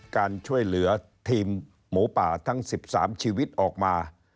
การช่วยเหลือทีมหมูป่าทั้ง๑๓ชีวิตออกมา